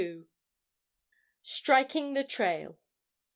STRIKING THE TRAIL.